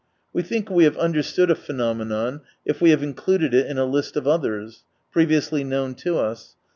We think we have understood a phenomenon if we have included it in a list of others, previously known to us.